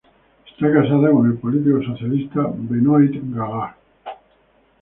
Está casada con el político socialista Benoît Gaillard.